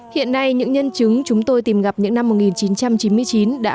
hiện nay những nhân chứng chúng tôi tìm gặp những năm một nghìn chín trăm chín mươi chín đã không được tìm ra